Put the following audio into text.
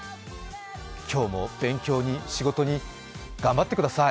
今日も勉強に仕事に頑張ってください！